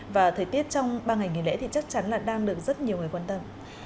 và thời tiết trong ba ngày nghỉ lễ thì chắc chắn là đang được rất nhiều người quan tâm